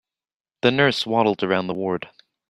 The nurse waddled around the ward.